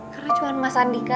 karena cuma mas andika